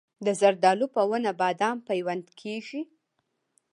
د زردالو په ونه بادام پیوند کیږي؟